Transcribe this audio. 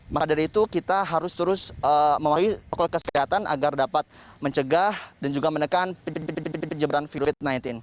maka dari itu kita harus terus memakai toko kesehatan agar dapat mencegah dan juga menekan pencegahan covid sembilan belas